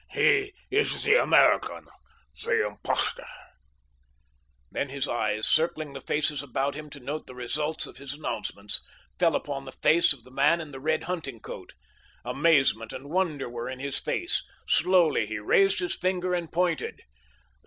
He is the American—the impostor." Then his eyes, circling the faces about him to note the results of his announcements, fell upon the face of the man in the red hunting coat. Amazement and wonder were in his face. Slowly he raised his finger and pointed.